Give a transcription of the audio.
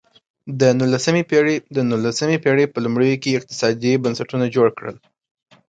د نولسمې پېړۍ په لومړیو کې اقتصادي بنسټونه جوړ کړل.